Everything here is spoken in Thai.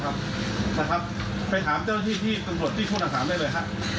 สำนวนเรายังไม่เห็นสำนวนเลยแม้แต่น้อยเดียวว่าคุณบันทึกวงไปกันอย่างไรบ้าง